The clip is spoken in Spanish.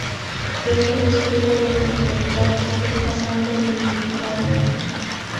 Yo solo escribo lo que en realidad estoy pasando en mi vida real.